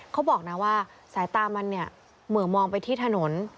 เขาบอกนะว่าสายตามันเนี่ยเหมือนมองไปที่ถนน